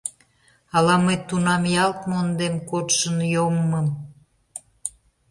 Ала мый тунам ялт мондем кодшын йоммым